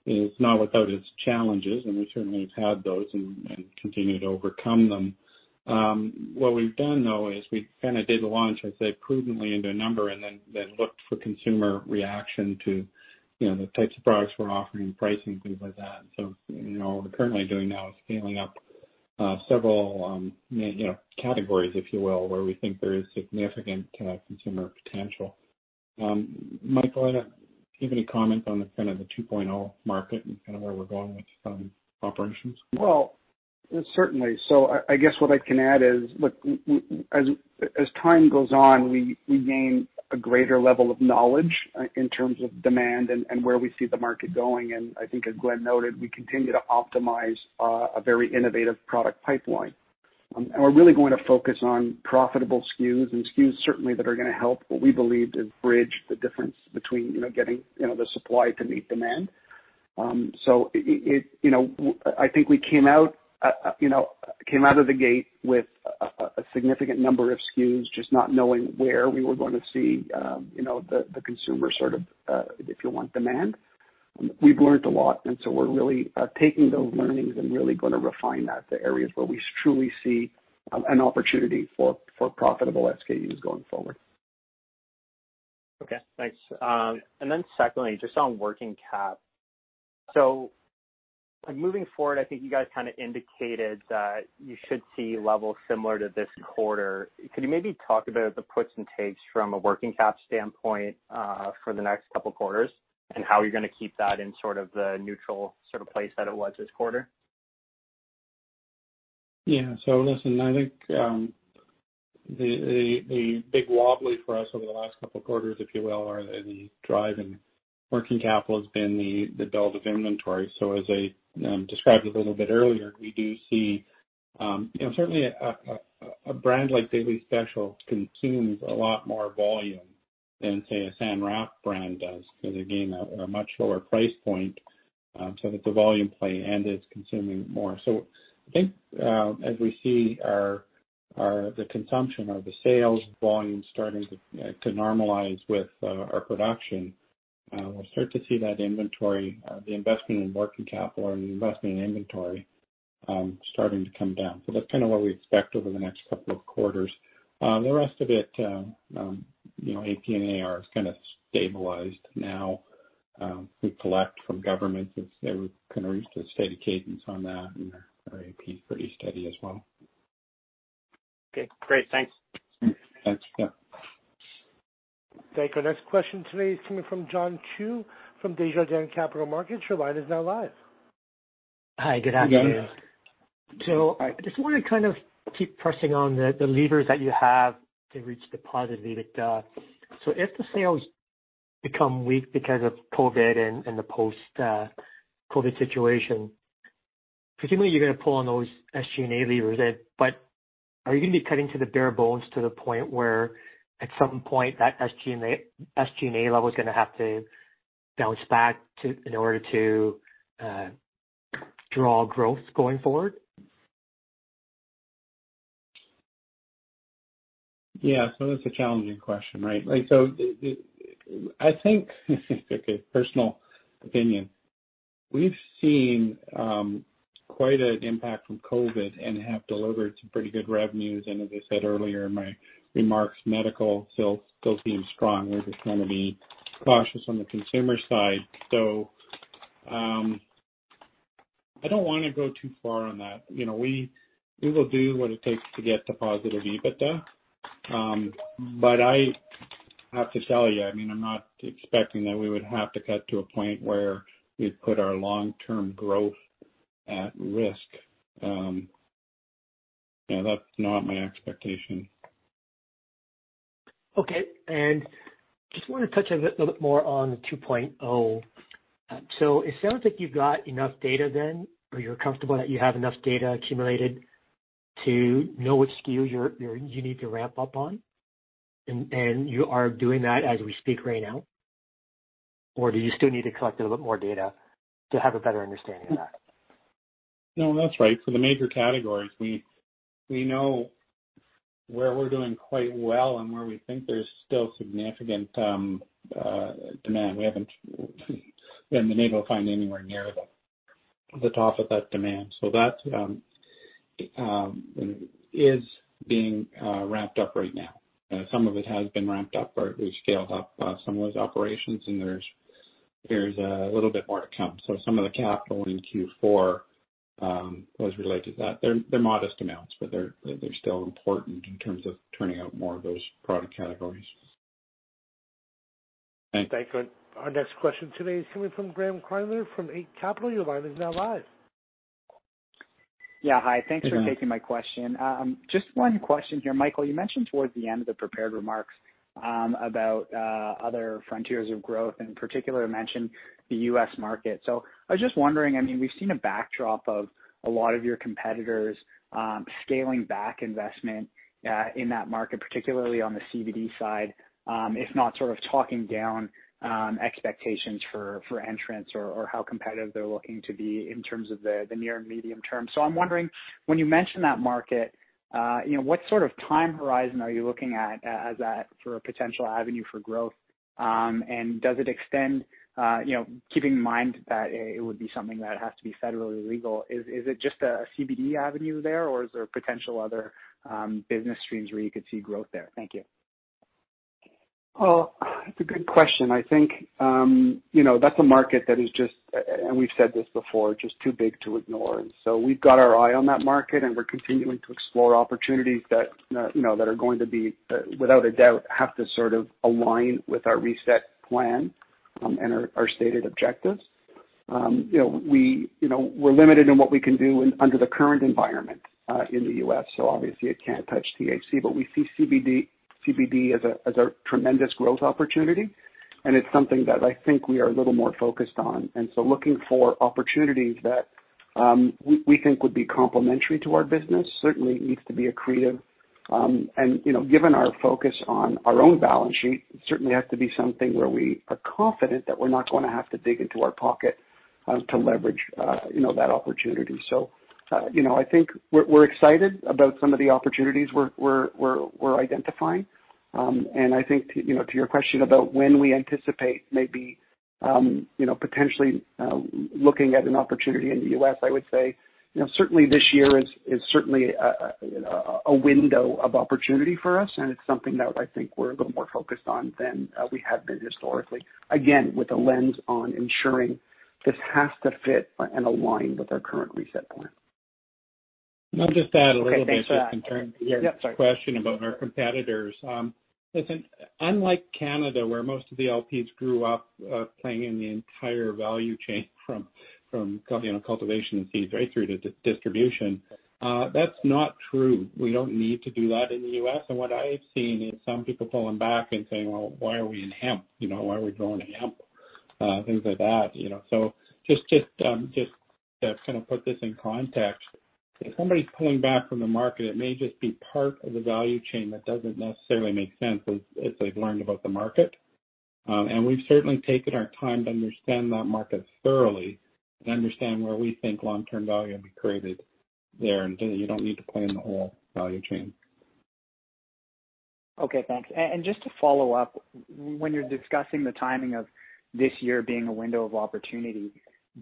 is not without its challenges, and we certainly have had those and continued to overcome them. What we've done, though, is we kind of did the launch, I'd say, prudently into a number and then looked for consumer reaction to the types of products we're offering and pricing, things like that. And so what we're currently doing now is scaling up several categories, if you will, where we think there is significant consumer potential. Michael, do you have any comments on the kind of the 2.0 market and kind of where we're going with some operations? Well, certainly. So I guess what I can add is, look, as time goes on, we gain a greater level of knowledge in terms of demand and where we see the market going. And I think, as Glen noted, we continue to optimize a very innovative product pipeline. And we're really going to focus on profitable SKUs and SKUs certainly that are going to help what we believe is bridge the difference between getting the supply to meet demand. So, I think we came out of the gate with a significant number of SKUs, just not knowing where we were going to see the consumer sort of, if you want, demand. We've learned a lot, and so we're really taking those learnings and really going to refine that to areas where we truly see an opportunity for profitable SKUs going forward. Okay. Thanks, and then secondly, just on working cap, so moving forward, I think you guys kind of indicated that you should see levels similar to this quarter. Could you maybe talk about the puts and takes from a working cap standpoint for the next couple of quarters and how you're going to keep that in sort of the neutral sort of place that it was this quarter? Yeah. So listen, I think the big driver in working capital has been the build of inventory. So as I described a little bit earlier, we do see certainly a brand like Daily Special consumes a lot more volume than, say, a San Raf brand does because, again, a much lower price point. So that's a volume play, and it's consuming more. So I think as we see the consumption or the sales volume starting to normalize with our production, we'll start to see that inventory, the investment in working capital or the investment in inventory starting to come down. So that's kind of what we expect over the next couple of quarters. The rest of it, AP and AR is kind of stabilized now. We collect from governments. They were kind of reached a steady cadence on that, and our AP is pretty steady as well. Okay. Great. Thanks. Thanks. Yeah. Thank you. Our next question today is coming from John Chu from Desjardins Capital Markets. Your line is now live. Hi. Good afternoon. So I just want to kind of keep pressing on the levers that you have to reach the positive EBITDA. So if the sales become weak because of COVID and the post-COVID situation, presumably you're going to pull on those SG&A levers. But are you going to be cutting to the bare bones to the point where at some point that SG&A level is going to have to bounce back in order to draw growth going forward? Yeah. So that's a challenging question, right? So I think, okay, personal opinion, we've seen quite an impact from COVID and have delivered some pretty good revenues. As I said earlier in my remarks, medical still seems strong. We're just going to be cautious on the consumer side. I don't want to go too far on that. We will do what it takes to get the positive EBITDA. I have to tell you, I mean, I'm not expecting that we would have to cut to a point where we'd put our long-term growth at risk. That's not my expectation. Okay. I just want to touch a little bit more on the 2.0. It sounds like you've got enough data then, or you're comfortable that you have enough data accumulated to know which SKU you need to ramp up on, and you are doing that as we speak right now? Or do you still need to collect a little bit more data to have a better understanding of that? No, that's right. For the major categories, we know where we're doing quite well and where we think there's still significant demand. We haven't been able to find anywhere near the top of that demand. So that is being ramped up right now. Some of it has been ramped up, or we've scaled up some of those operations, and there's a little bit more to come. So some of the capital in Q4 was related to that. They're modest amounts, but they're still important in terms of turning out more of those product categories. Thanks. Thank you. Our next question today is coming from Graeme Kreindler from Eight Capital. Your line is now live. Yeah. Hi. Thanks for taking my question. Just one question here. Michael, you mentioned towards the end of the prepared remarks about other frontiers of growth, and in particular, you mentioned the US market. So I was just wondering, I mean, we've seen a backdrop of a lot of your competitors scaling back investment in that market, particularly on the CBD side, if not sort of talking down expectations for entrance or how competitive they're looking to be in terms of the near and medium term. So I'm wondering, when you mentioned that market, what sort of time horizon are you looking at for a potential avenue for growth? And does it extend, keeping in mind that it would be something that has to be federally legal? Is it just a CBD avenue there, or is there potential other business streams where you could see growth there? Thank you. Well, it's a good question. I think that's a market that is just, and we've said this before, just too big to ignore. And so we've got our eye on that market, and we're continuing to explore opportunities that are going to be, without a doubt, have to sort of align with our reset plan and our stated objectives. We're limited in what we can do under the current environment in the U.S. So obviously, it can't touch THC, but we see CBD as a tremendous growth opportunity, and it's something that I think we are a little more focused on. And so looking for opportunities that we think would be complementary to our business certainly needs to be accretive. And given our focus on our own balance sheet, it certainly has to be something where we are confident that we're not going to have to dig into our pocket to leverage that opportunity. So I think we're excited about some of the opportunities we're identifying. And I think, to your question about when we anticipate maybe potentially looking at an opportunity in the U.S., I would say certainly this year is certainly a window of opportunity for us, and it's something that I think we're a little more focused on than we have been historically, again, with a lens on ensuring this has to fit and align with our current reset plan. I'll just add a little bit just in terms of your question about our competitors. Listen, unlike Canada, where most of the LPs grew up playing in the entire value chain from cultivation and seeds right through to distribution, that's not true. We don't need to do that in the U.S. And what I've seen is some people pulling back and saying, "Well, why are we in hemp? Why are we growing hemp?" Things like that. So just to kind of put this in context, if somebody's pulling back from the market, it may just be part of the value chain that doesn't necessarily make sense as they've learned about the market. And we've certainly taken our time to understand that market thoroughly and understand where we think long-term value will be created there, and you don't need to play in the whole value chain. Okay. Thanks. Just to follow up, when you're discussing the timing of this year being a window of opportunity,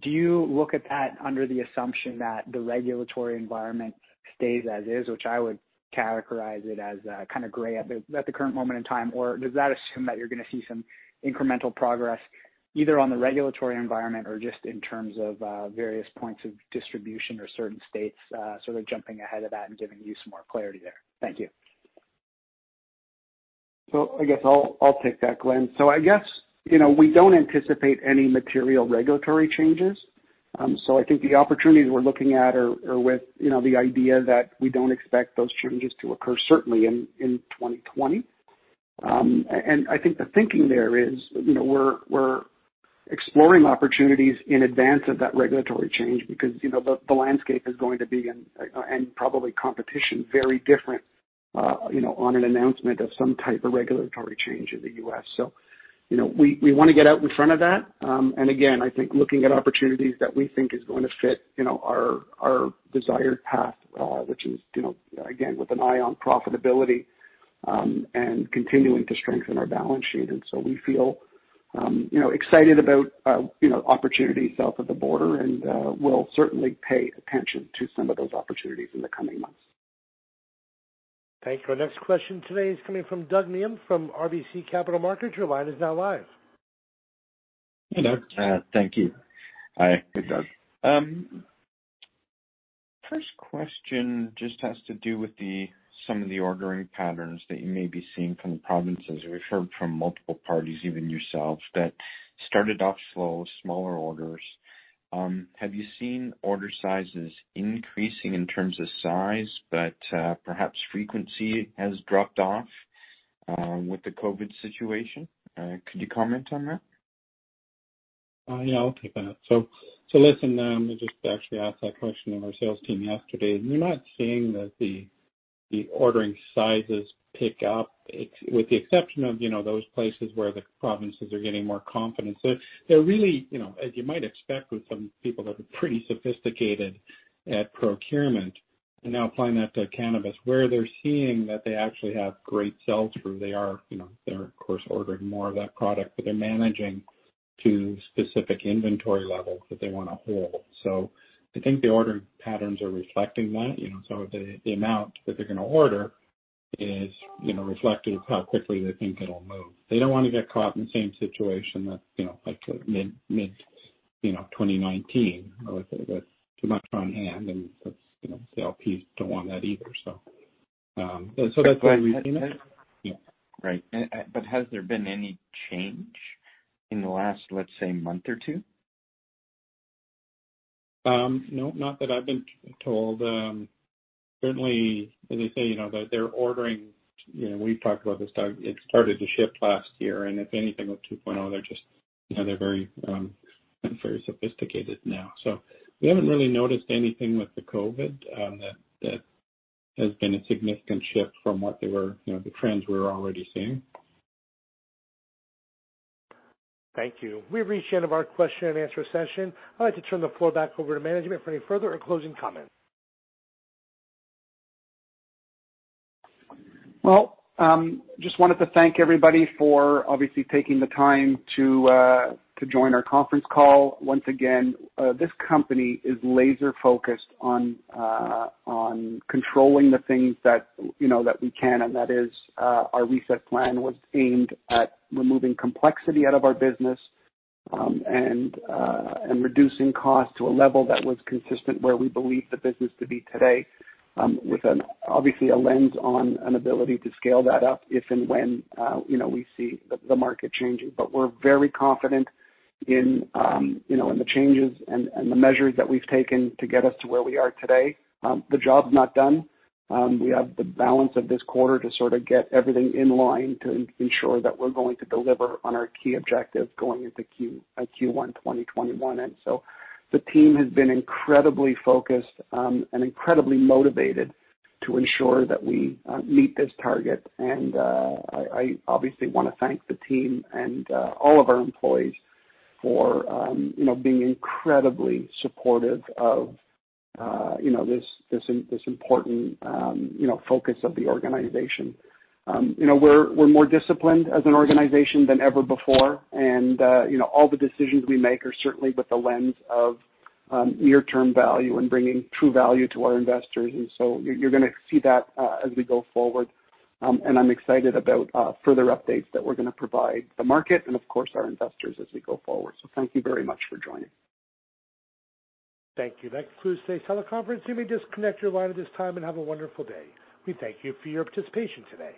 do you look at that under the assumption that the regulatory environment stays as is, which I would characterize it as kind of gray at the current moment in time, or does that assume that you're going to see some incremental progress either on the regulatory environment or just in terms of various points of distribution or certain states sort of jumping ahead of that and giving you some more clarity there? Thank you. I guess I'll take that, Glen. I guess we don't anticipate any material regulatory changes. I think the opportunities we're looking at are with the idea that we don't expect those changes to occur certainly in 2020. And I think the thinking there is we're exploring opportunities in advance of that regulatory change because the landscape is going to be and probably competition very different on an announcement of some type of regulatory change in the U.S. So we want to get out in front of that. And again, I think looking at opportunities that we think is going to fit our desired path, which is, again, with an eye on profitability and continuing to strengthen our balance sheet. And so we feel excited about opportunity south of the border, and we'll certainly pay attention to some of those opportunities in the coming months. Thank you. Our next question today is coming from Doug Miehm from RBC Capital Markets. Your line is now live. Hey, Doug. Thank you. Hi. Hey, Doug. First question just has to do with some of the ordering patterns that you may be seeing from the provinces. We've heard from multiple parties, even yourself, that started off slow, smaller orders. Have you seen order sizes increasing in terms of size, but perhaps frequency has dropped off with the COVID-19 situation? Could you comment on that? Yeah. I'll take that. So listen, I just actually asked that question of our sales team yesterday. We're not seeing that the ordering sizes pick up, with the exception of those places where the provinces are getting more confident. So they're really, as you might expect with some people that are pretty sophisticated at procurement, and now applying that to cannabis, where they're seeing that they actually have great sales through, they are, of course, ordering more of that product, but they're managing to specific inventory levels that they want to hold. So I think the ordering patterns are reflecting that. So the amount that they're going to order is reflected in how quickly they think it'll move. They don't want to get caught in the same situation that mid-2019 with too much on hand, and the LPs don't want that either. So that's why we've seen it. Right. But has there been any change in the last, let's say, month or two? No, not that I've been told. Certainly, as I say, they're ordering. We've talked about this, Doug. It started to shift last year, and if anything, with 2.0, they're very sophisticated now. So we haven't really noticed anything with the COVID that has been a significant shift from what the trends we were already seeing. Thank you. We reached the end of our question and answer session. I'd like to turn the floor back over to management for any further or closing comments. Well, just wanted to thank everybody for obviously taking the time to join our conference call. Once again, this company is laser-focused on controlling the things that we can, and that is our reset plan was aimed at removing complexity out of our business and reducing cost to a level that was consistent where we believe the business to be today, with obviously a lens on an ability to scale that up if and when we see the market changing. But we're very confident in the changes and the measures that we've taken to get us to where we are today. The job's not done. We have the balance of this quarter to sort of get everything in line to ensure that we're going to deliver on our key objectives going into Q1 2021. And so the team has been incredibly focused and incredibly motivated to ensure that we meet this target. And I obviously want to thank the team and all of our employees for being incredibly supportive of this important focus of the organization. We're more disciplined as an organization than ever before, and all the decisions we make are certainly with the lens of near-term value and bringing true value to our investors. And so you're going to see that as we go forward, and I'm excited about further updates that we're going to provide the market and, of course, our investors as we go forward. So thank you very much for joining. Thank you. That concludes today's teleconference. You may disconnect your line at this time and have a wonderful day. We thank you for your participation today.